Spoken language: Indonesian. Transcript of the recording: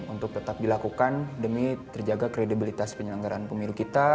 untuk tetap dilakukan demi terjaga kredibilitas penyelenggaraan pemilu kita